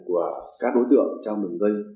của các đối tượng trong đường dây